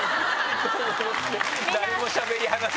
誰もしゃべり話さない。